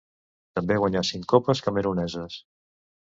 També guanyà cinc copes cameruneses.